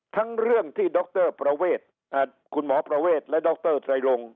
ทั้งเรื่องที่ดรประเวทคุณหมอประเวทและดรไตรลง